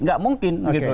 gak mungkin gitu